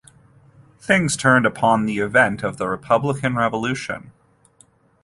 Things turned upon the advent of the Republican Revolution.